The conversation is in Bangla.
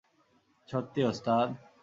সত্যি, ওস্তাদ?